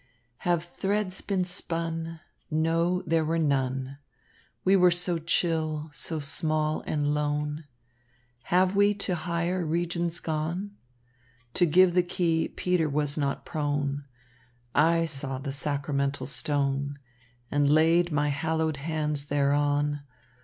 "Have threads been spun? No, there were none! We were so chill, so small and lone. Have we to higher regions gone? To give the key Peter was not prone. I saw the sacramental stone And laid my hallowed hands thereon.